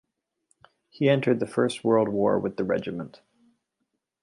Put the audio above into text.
He entered the First World War with the regiment.